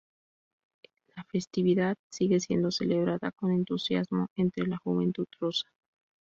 La festividad sigue siendo celebrada con entusiasmo entre la juventud rusa.